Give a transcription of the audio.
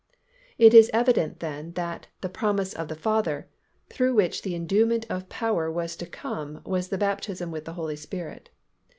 It is evident then that "the promise of the Father" through which the enduement of power was to come was the baptism with the Holy Spirit.